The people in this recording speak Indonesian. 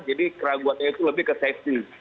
jadi keraguannya itu lebih ke safety